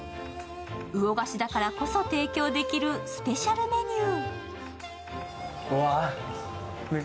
魚河岸だからこそ提供できるスペシャルメニュー。